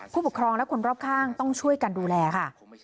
ผู้ปกครองและคนรอบข้างต้องช่วยกันดูแลค่ะ